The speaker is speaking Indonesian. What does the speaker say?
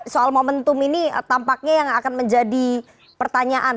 soal momentum ini tampaknya yang akan menjadi pertanyaan